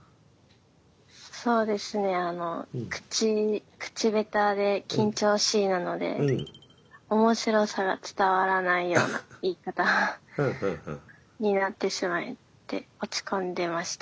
そうですねあの口口下手で緊張しいなので面白さが伝わらないような言い方になってしまって落ち込んでました。